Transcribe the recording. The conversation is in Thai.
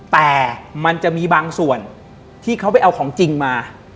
แต่มันจะมีบางส่วนที่เขาไปเอาของจริงมา